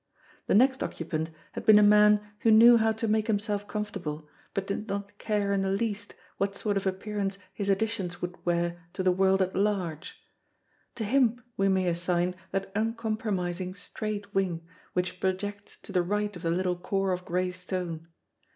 The next occupant had been a man who knew how to make himself comfortable, but did not care in the least what sort of appearance his additions would wear to the world at large; to him we may assign that uncompromising straight wing which projects to the right of the little core of grey stone.